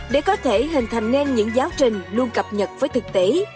để có thể hình thành nên những giáo trình luôn cập nhật với thực tế